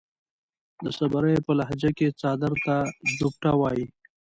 د صبريو پۀ لهجه کې څادر ته جوبټه وايي.